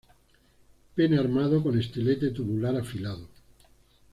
Pene armado con estilete tubular afilado.